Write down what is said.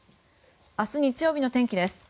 明日、日曜日の天気です。